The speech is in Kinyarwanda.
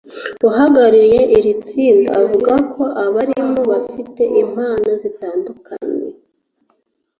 uhagarariye iri tsinda avuga ko abaririmo bafite impano zitandukanye